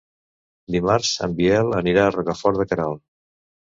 Dimarts en Biel anirà a Rocafort de Queralt.